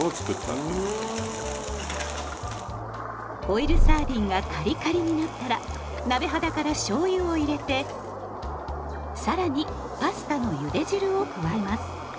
オイルサーディンがカリカリになったら鍋肌からしょうゆを入れて更にパスタのゆで汁を加えます。